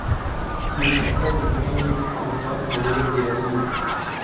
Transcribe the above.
ku butaka bunyuranye kuva mu burengerazuba